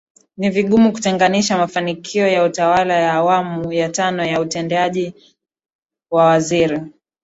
ni vigumu kutenganisha mafanikio ya utawala wa Awamu ya Tano na utendaji wa Waziri